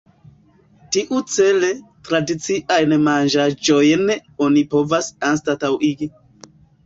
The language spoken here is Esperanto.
Tiucele, tradiciajn manĝaĵojn oni povas anstataŭigi.